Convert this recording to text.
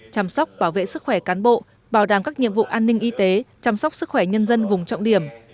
chăm sóc bảo vệ sức khỏe cán bộ bảo đảm các nhiệm vụ an ninh y tế chăm sóc sức khỏe nhân dân vùng trọng điểm